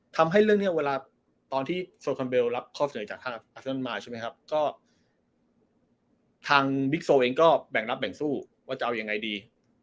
ทำให้เรื่องนี้เวลาตอนที่โซคอมเบลรับข้อเสนอจากทางอัสนันมาใช่ไหมครับก็ทางบิ๊กโซเองก็แบ่งรับแบ่งสู้ว่าจะเอายังไงดี